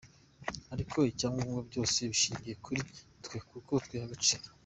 Ariko icya ngombwa, byose bishingira kuri twe kuko twiha agaciro.